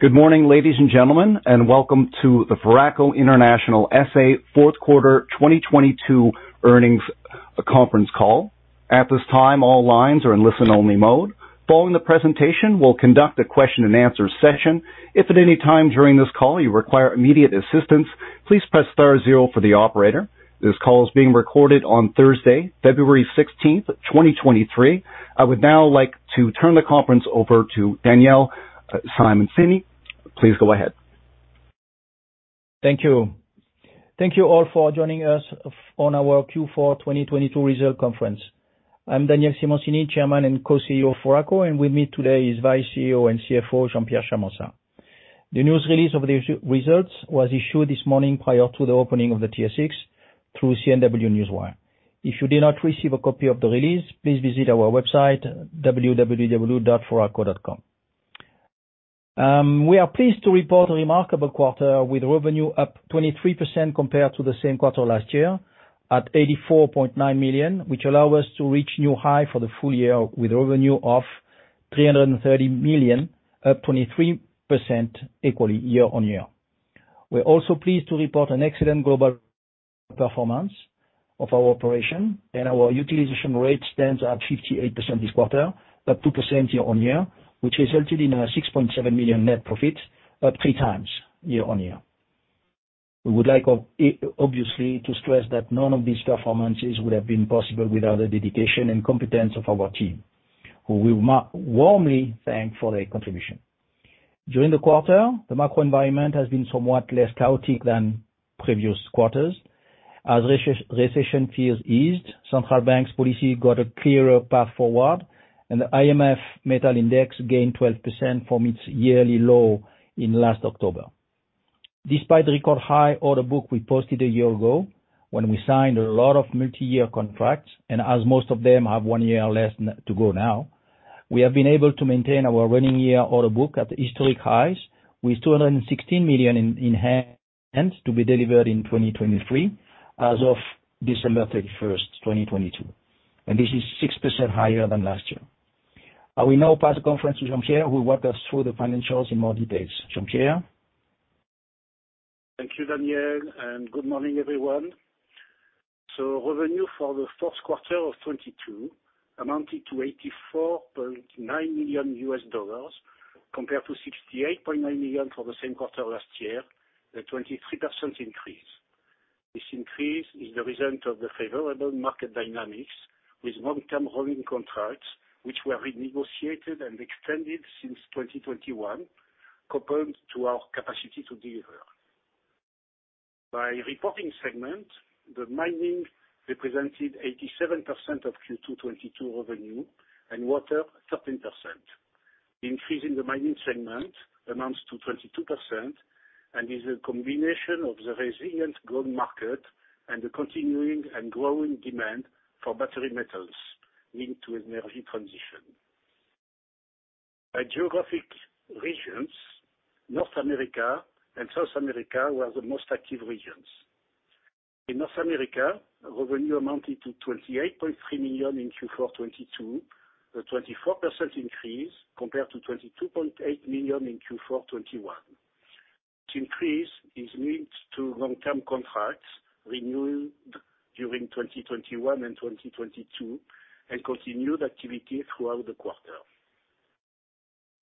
Good morning, ladies and gentlemen, and welcome to the Foraco International SA Q4 2022 earnings conference call. At this time, all lines are in listen-only mode. Following the presentation, we'll conduct a question and answer session. If at any time during this call you require immediate assistance, please press star zero for the operator. This call is being recorded on Thursday, February 16th, 2023. I would now like to turn the conference over to Daniel Simoncini. Please go ahead. Thank you. Thank you all for joining us on our Q4 2022 results conference. I'm Daniel Simoncini, Chairman and Co-CEO of Foraco, and with me today is Vice CEO and CFO, Jean-Pierre Charmensat. The news release of the results was issued this morning prior to the opening of the TSX through CNW Group. If you did not receive a copy of the release, please visit our website, www.foraco.com. We are pleased to report a remarkable quarter with revenue up 23% compared to the same quarter last year at $84.9 million, which allow us to reach new high for the full year with revenue of $330 million, up 23% equally year-on-year. We're also pleased to report an excellent global performance of our operation, and our utilization rate stands at 58% this quarter, up 2% year-on-year, which resulted in a $6.7 million net profit, up 3 times year-on-year. We would like obviously to stress that none of these performances would have been possible without the dedication and competence of our team, who we warmly thank for their contribution. During the quarter, the macro environment has been somewhat less chaotic than previous quarters. As recession fears eased, Central Bank's policy got a clearer path forward, and the IMF metal index gained 12% from its yearly low in last October. Despite the record high order book we posted a year ago when we signed a lot of multi-year contracts, and as most of them have 1 year or less to go now. We have been able to maintain our running year order book at historic highs with $216 million in hand to be delivered in 2023 as of December 31, 2022. This is 6% higher than last year. I will now pass the conference to Jean-Pierre who will walk us through the financials in more details. Jean-Pierre? Thank you, Daniel. Good morning, everyone. Revenue for the Q1 of 2022 amounted to $84.9 million compared to $68.9 million for the same quarter last year, a 23% increase. This increase is the result of the favorable market dynamics with long-term rolling contracts, which were renegotiated and extended since 2021, coupled to our capacity to deliver. By reporting segment, the mining represented 87% of Q2 2022 revenue and water, 13%. Increasing the mining segment amounts to 22% and is a combination of the resilient gold market and the continuing and growing demand for battery metals leading to energy transition. By geographic regions, North America and South America were the most active regions. In North America, revenue amounted to $28.3 million in Q4 2022, a 24% increase compared to $22.8 million in Q4 2021. This increase is linked to long-term contracts renewed during 2021 and 2022 and continued activity throughout the quarter.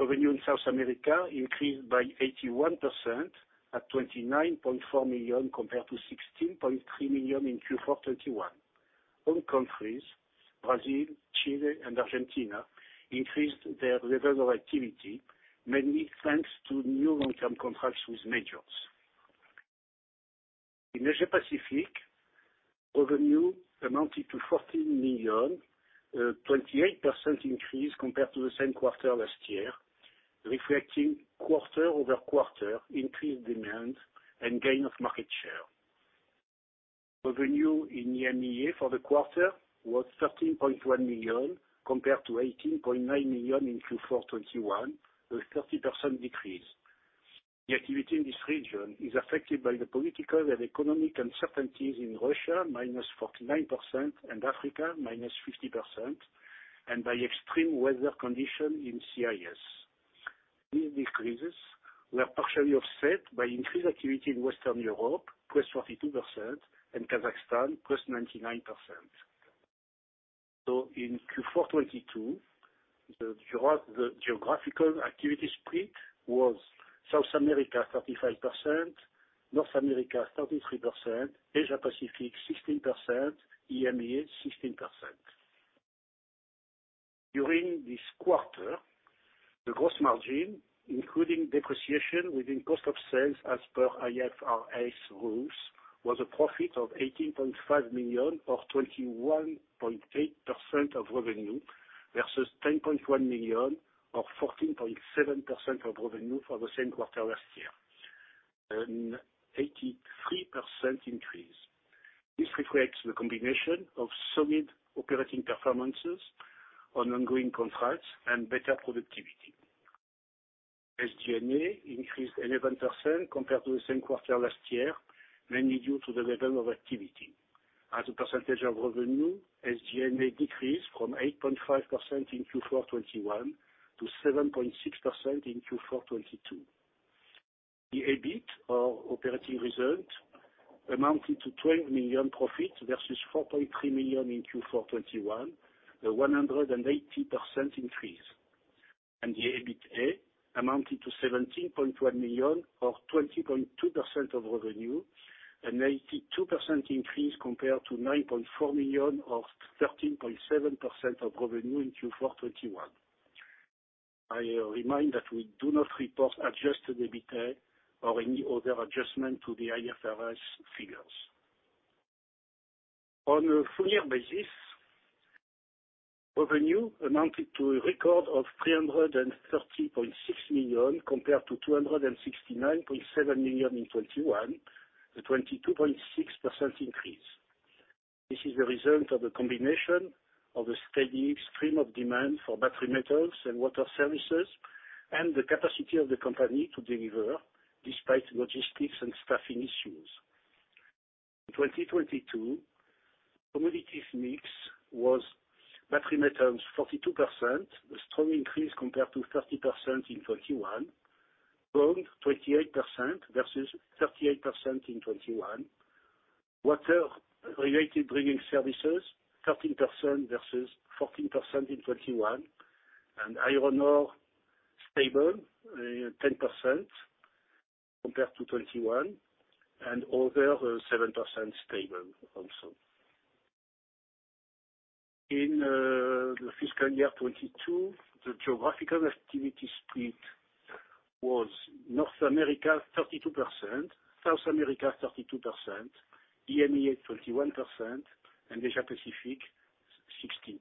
Revenue in South America increased by 81% at $29.4 million compared to $16.3 million in Q4 2021. All countries, Brazil, Chile and Argentina, increased their level of activity, mainly thanks to new long-term contracts with majors. In Asia Pacific, revenue amounted to $14 million, a 28% increase compared to the same quarter last year, reflecting quarter-over-quarter increased demand and gain of market share. Revenue in EMEA for the quarter was $13.1 million compared to $18.9 million in Q4 2021, a 30% decrease. The activity in this region is affected by the political and economic uncertainties in Russia, minus 49%, and Africa, minus 50%, and by extreme weather condition in CIS. These decreases were partially offset by increased activity in Western Europe, plus 42%, and Kazakhstan, plus 99%. In Q4 2022, the geographical activity split was South America, 35%, North America, 33%, Asia Pacific, 16%, EMEA, 16%. During this quarter, the gross margin, including depreciation within cost of sales as per IFRS rules, was a profit of $18.5 million or 21.8% of revenue, versus $10.1 million or 14.7% of revenue for the same quarter last year, an 83% increase. This reflects the combination of solid operating performances on ongoing contracts and better productivity. SG&A increased 11% compared to the same quarter last year, mainly due to the level of activity. As a percentage of revenue, SG&A may decrease from 8.5% in Q4 '21 to 7.6% in Q4 '22. The EBIT or operating result amounted to $12 million profits versus $4.3 million in Q4 '21, a 180% increase. The EBITA amounted to $17.1 million or 20.2% of revenue, an 82% increase compared to $9.4 million, or 13.7% of revenue in Q4 '21. I remind that we do not report adjusted EBITA or any other adjustment to the IFRS figures. On a full year basis, revenue amounted to a record of $330.6 million, compared to $269.7 million in 2021, a 22.6% increase. This is the result of a combination of a steady stream of demand for battery metals and water services, and the capacity of the company to deliver despite logistics and staffing issues. In 2022, commodities mix was battery metals 42%. A strong increase compared to 30% in 2021. Gold, 28% versus 38% in 2021. Water-related drinking services, 13% versus 14% in 2021. Iron ore, stable, 10% compared to 2021. Other, 7% stable also. In the fiscal year 2022, the geographical activity split was North America 32%, South America 32%, EMEA 21%, and Asia-Pacific 16%.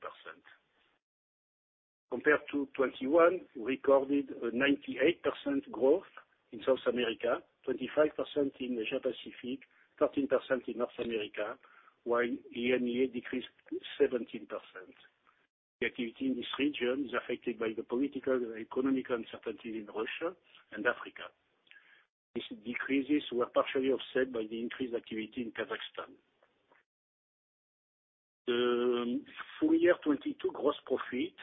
Compared to 2021, we recorded a 98% growth in South America, 25% in Asia-Pacific, 13% in North America, while EMEA decreased 17%. The activity in this region is affected by the political and economic uncertainty in Russia and Africa. These decreases were partially offset by the increased activity in Kazakhstan. The full year 2022 gross profit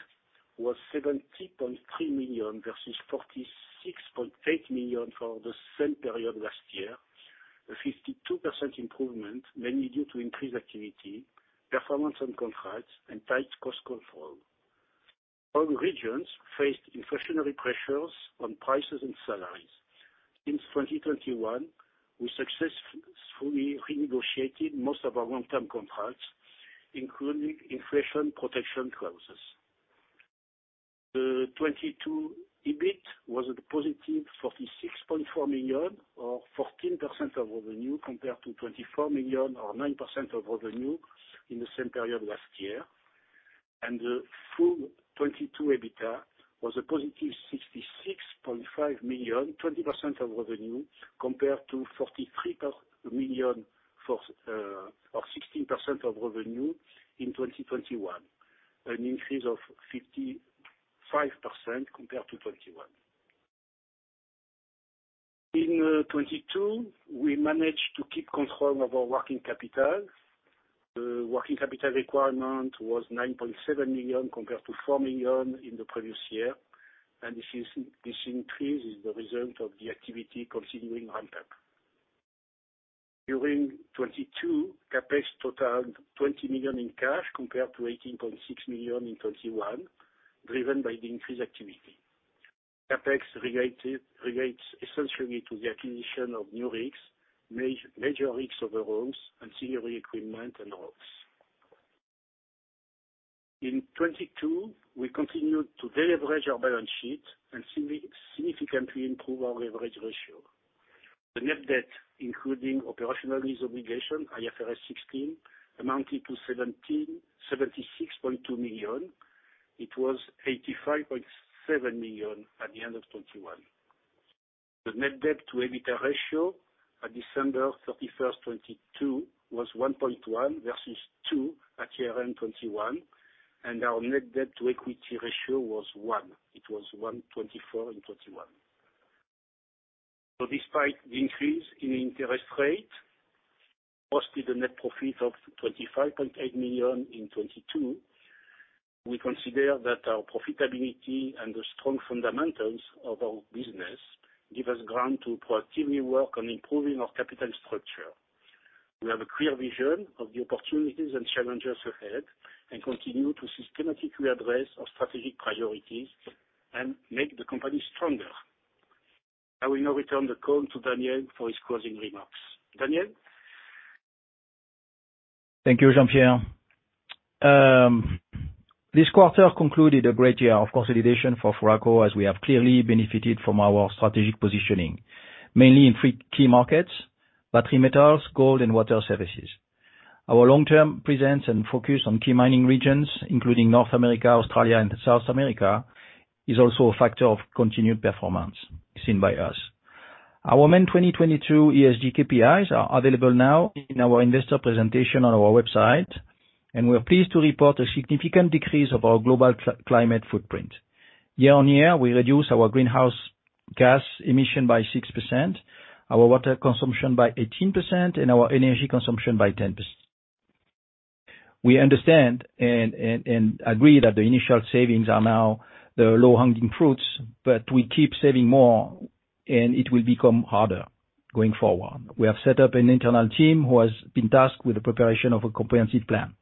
was $70.3 million versus $46.8 million for the same period last year. A 52% improvement, mainly due to increased activity, performance on contracts, and tight cost control. All regions faced inflationary pressures on prices and salaries. In 2021, we successfully renegotiated most of our long-term contracts, including inflation protection clauses. The 2022 EBIT was a positive $46.4 million, or 14% of revenue, compared to $24 million, or 9% of revenue in the same period last year. The full 2022 EBITA was a positive $66.5 million, 20% of revenue, compared to $43 per million for, or 16% of revenue in 2021. An increase of 55% compared to 2021. In 2022, we managed to keep control of our working capital. The working capital requirement was $9.7 million, compared to $4 million in the previous year, and this increase is the result of the activity continuing ramp-up. During 2022, CapEx totaled $20 million in cash, compared to $18.6 million in 2021, driven by the increased activity. CapEx relates essentially to the acquisition of new rigs, major rigs overhauls, ancillary equipment, and rocks. In 2022, we continued to de-leverage our balance sheet and significantly improve our leverage ratio. The net debt, including operational lease obligation, IFRS 16, amounted to $76.2 million. It was $85.7 million at the end of 2021. The net debt to EBITA ratio on December 31, 2022 was 1.1 versus 2 at year-end 2021, and our net debt to equity ratio was 1. It was 1.24 in 2021. Despite the increase in interest rate, posted a net profit of $25.8 million in 2022, we consider that our profitability and the strong fundamentals of our business give us ground to proactively work on improving our capital structure. We have a clear vision of the opportunities and challenges ahead and continue to systematically address our strategic priorities and make the company stronger. I will now return the call to Daniel for his closing remarks. Daniel? Thank you, Jean-Pierre Charmensat. This quarter concluded a great year of consolidation for Foraco, as we have clearly benefited from our strategic positioning, mainly in three key markets: battery metals, gold, and water services. Our long-term presence and focus on key mining regions, including North America, Australia, and South America, is also a factor of continued performance seen by us. Our main 2022 ESG KPIs are available now in our investor presentation on our website. We are pleased to report a significant decrease of our global climate footprint. Year-on-year, we reduced our greenhouse gas emission by 6%, our water consumption by 18%, and our energy consumption by 10%. We understand and agree that the initial savings are now the low-hanging fruits, but we keep saving more, and it will become harder going forward. We have set up an internal team who has been tasked with the preparation of a comprehensive plan.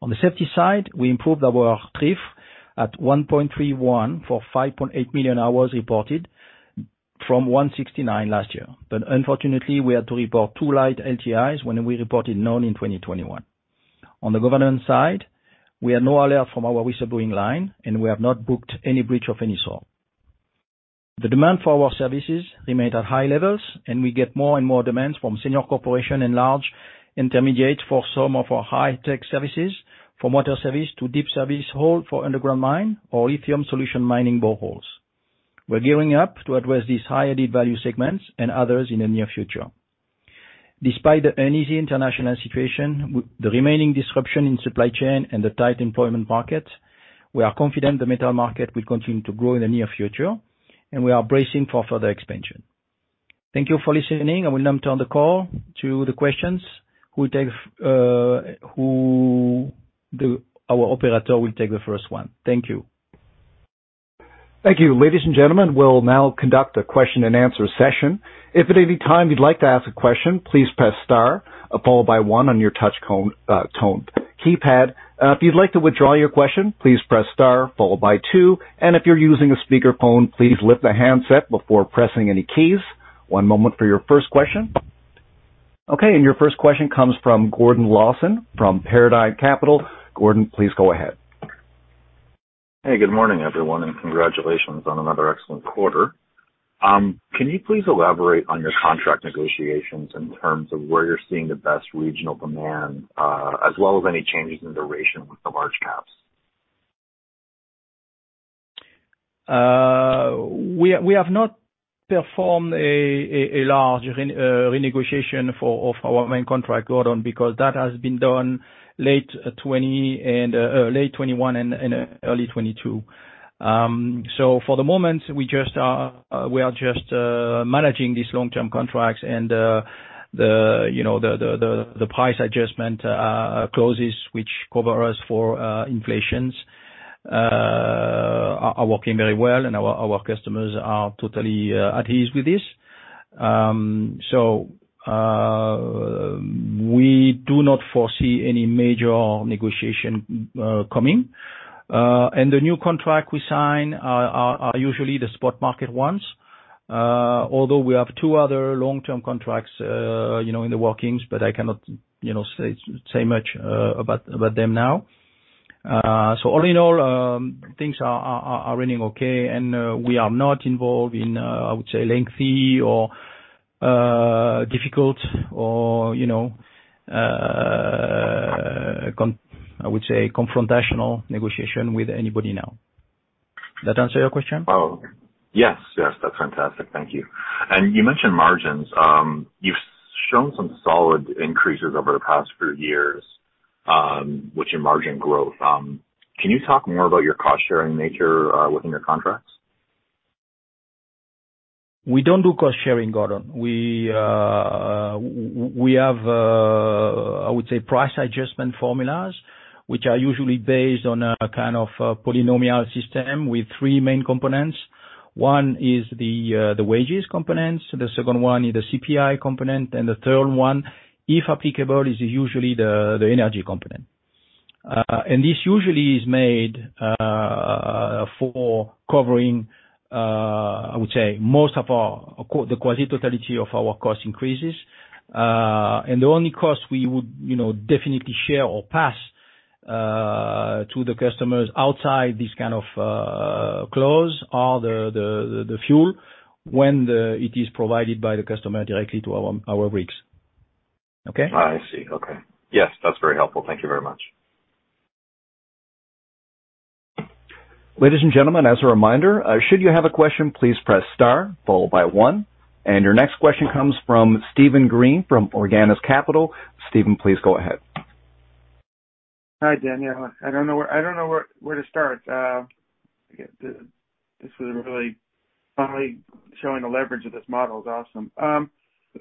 On the safety side, we improved our TRIF at 1.31 for 5.8 million hours reported from 169 last year. Unfortunately, we had to report 2 light LTI when we reported none in 2021. On the governance side, we had no alert from our whistleblowing line. We have not booked any breach of any sort. The demand for our services remained at high levels. We get more and more demands from senior corporation and large intermediate for some of our high-tech services, from water service to deep service hole for underground mine or lithium solution mining boreholes. We're gearing up to address these high added-value segments and others in the near future. Despite the uneasy international situation, the remaining disruption in supply chain and the tight employment market, we are confident the metal market will continue to grow in the near future. We are bracing for further expansion. Thank you for listening. I will now turn the call to the questions. We'll take. Our operator will take the first one. Thank you. Thank you. Ladies and gentlemen, we'll now conduct a question and answer session. If at any time you'd like to ask a question, please press star followed by 1 on your touch tone keypad. If you'd like to withdraw your question, please press star followed by 2. If you're using a speakerphone, please lift the handset before pressing any keys. One moment for your first question. Okay, your first question comes from Gordon Lawson from Paradigm Capital. Gordon, please go ahead. Hey, good morning, everyone, and congratulations on another excellent quarter. Can you please elaborate on your contract negotiations in terms of where you're seeing the best regional demand, as well as any changes in duration with the large caps? We have not performed a large renegotiation for of our main contract, Gordon, because that has been done late 2020 and late 2021 and early 2022. For the moment, we just, we are just managing these long-term contracts and, you know, the price adjustment clauses which cover us for inflations are working very well, and our customers are totally at ease with this. We do not foresee any major negotiation coming. The new contract we sign are usually the spot market ones, although we have two other long-term contracts, you know, in the workings, but I cannot, you know, say much about them now. All in all, things are running okay, and we are not involved in, I would say lengthy or difficult or, you know, confrontational negotiation with anybody now. That answer your question? Oh, yes. Yes. That's fantastic. Thank you. You mentioned margins. You've shown some solid increases over the past few years, with your margin growth. Can you talk more about your cost sharing nature within your contracts? We don't do cost sharing, Gordon. We have, I would say price adjustment formulas, which are usually based on a kind of a polynomial system with three main components. One is the wages components, the second one is the CPI component, and the third one, if applicable, is usually the energy component. This usually is made for covering, I would say the quasi-totality of our cost increases. The only cost we would, you know, definitely share or pass to the customers outside this kind of, clause are the fuel when it is provided by the customer directly to our rigs. Okay? I see. Okay. Yes. That's very helpful. Thank you very much. Ladies and gentlemen, as a reminder, should you have a question, please press star followed by one. Your next question comes from Steven Green from Ordinance Capital. Steven, please go ahead. Hi, Daniel. I don't know where to start. This was really showing the leverage of this model. It's awesome.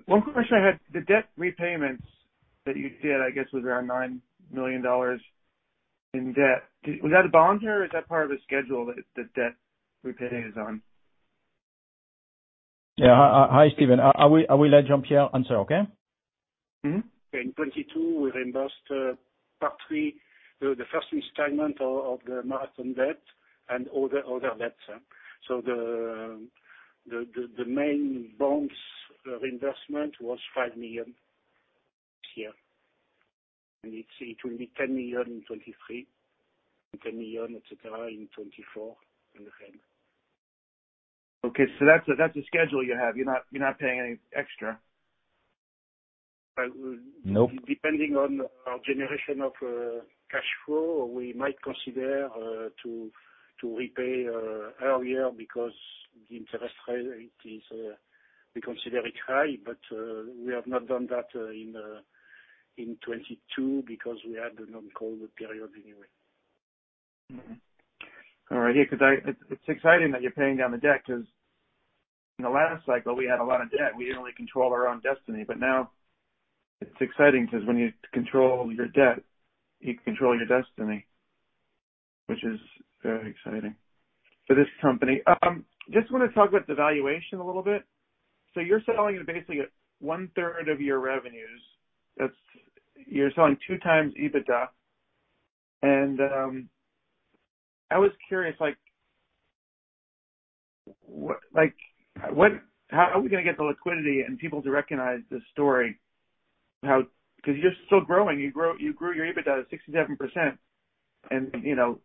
One question I had, the debt repayments that you did, I guess, was around $9 million in debt. Was that a bond or is that part of a schedule that debt repayment is on? Yeah. Hi, Steven. I will let Jean-Pierre answer, okay? In 2022, we reimbursed partly the first installment of the Marathon debt and other debts. The main bonds reimbursement was $5 million this year. It will be $10 million in 2023, $10 million, et cetera, in 2024, and then. Okay. That's a schedule you have. You're not paying any extra. No. Depending on our generation of cash flow, we might consider to repay earlier because the interest rate is. We consider it high, but we have not done that in 2022 because we had the non-COVID period anyway. All right. Yeah, because it's exciting that you're paying down the debt because in the last cycle, we had a lot of debt. We didn't really control our own destiny. Now it's exciting because when you control your debt, you control your destiny, which is very exciting for this company. Just wanna talk about the valuation a little bit. You're selling basically a 1/3 of your revenues. You're selling 2x EBITDA. I was curious, like, how are we gonna get the liquidity and people to recognize this story? Because you're still growing. You grew your EBITDA to 67% and, you know,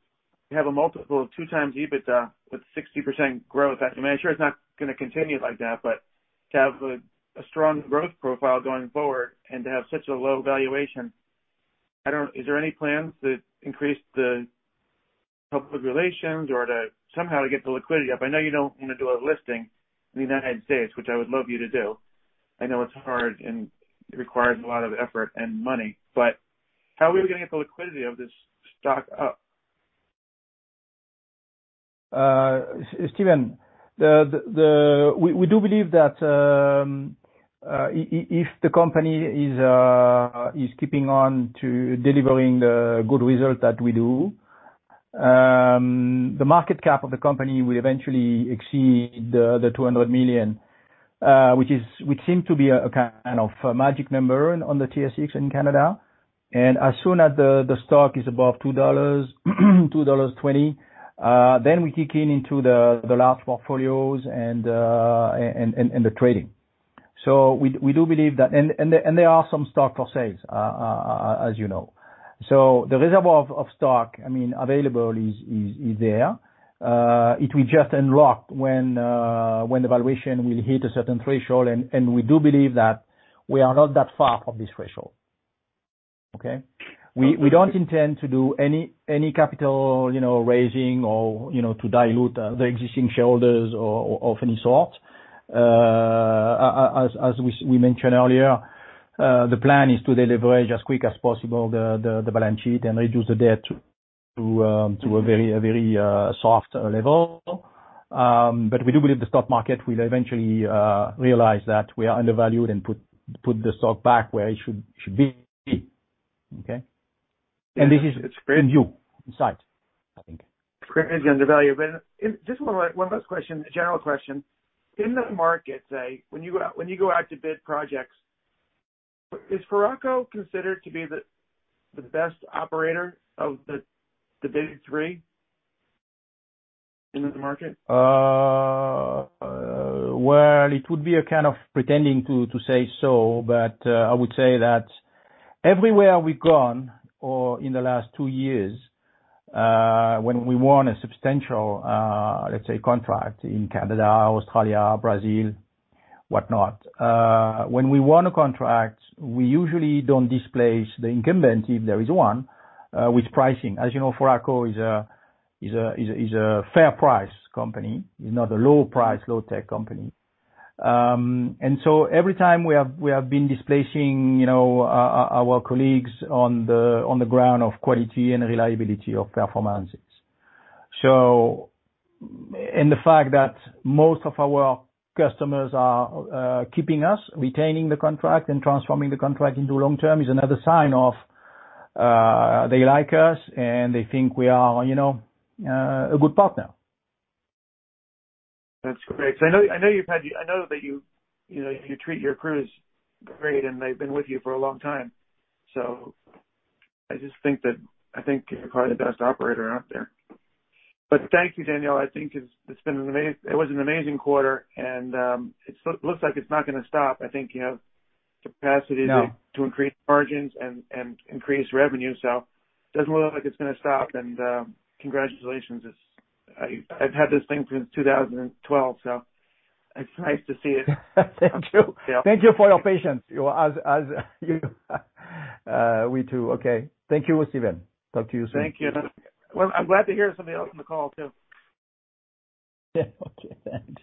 have a multiple of 2x EBITDA with 60% growth. I mean, I'm sure it's not gonna continue like that, but to have a strong growth profile going forward and to have such a low valuation, I don't. Is there any plans to increase the public relations or to somehow to get the liquidity up? I know you don't wanna do a listing in the United States, which I would love you to do. I know it's hard and it requires a lot of effort and money, how are we gonna get the liquidity of this stock up? Steven, we do believe that if the company is keeping on to delivering the good result that we do, the market cap of the company will eventually exceed 200 million, which seem to be a kind of a magic number on the TSX in Canada. As soon as the stock is above 2 dollars, 2.20 dollars, then we kick in into the large portfolios and the trading. We do believe that. There are some stock for sales, as you know. The reserve of stock, I mean, available is there. It will just unlock when the valuation will hit a certain threshold. We do believe that we are not that far from this threshold. Okay? We don't intend to do any capital, you know, raising or, you know, to dilute the existing shareholders or, of any sort. As we mentioned earlier, the plan is to deleverage as quick as possible the balance sheet and reduce the debt to a very, very soft level. We do believe the stock market will eventually realize that we are undervalued and put the stock back where it should be. Okay? This is in view, in sight, I think. It's greatly undervalued. Just one last question, a general question. In the market, say, when you go out, when you go out to bid projects, is Foraco considered to be the best operator of the big three in the market? Well, it would be a kind of pretending to say so, but I would say that everywhere we've gone or in the last 2 years, when we won a substantial, let's say, contract in Canada, Australia, Brazil, whatnot, when we won a contract, we usually don't displace the incumbent, if there is one, with pricing. As you know, Foraco is a fair price company. It's not a low price, low tech company. Every time we have been displacing, you know, our colleagues on the ground of quality and reliability of performances. The fact that most of our customers are keeping us, retaining the contract and transforming the contract into long term, is another sign of, they like us and they think we are, you know, a good partner. That's great. I know you've had. I know that you know, you treat your crews great and they've been with you for a long time. I just think that I think you're probably the best operator out there. Thank you, Daniel. I think it's been an amazing quarter and it looks like it's not gonna stop. I think you have capacity. No. to increase margins and increase revenue. Doesn't look like it's gonna stop. Congratulations. I've had this thing since 2012, so it's nice to see it. Thank you. Yeah. Thank you for your patience. Well, as you. We too. Okay. Thank you, Steven. Talk to you soon. Thank you. Well, I'm glad to hear somebody else on the call too. Okay. Thanks.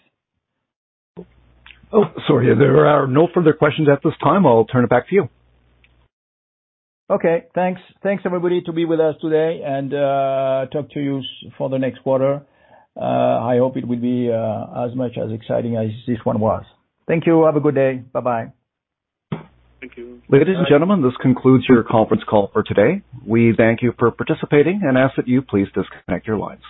Oh, sorry. There are no further questions at this time. I'll turn it back to you. Okay. Thanks. Thanks, everybody, to be with us today and talk to you for the next quarter. I hope it will be as much as exciting as this one was. Thank you. Have a good day. Bye-bye. Thank you. Bye. Ladies and gentlemen, this concludes your conference call for today. We thank you for participating and ask that you please disconnect your lines.